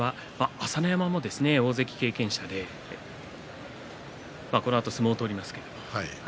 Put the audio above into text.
朝乃山も大関経験者でこのあと相撲を取りますけれども。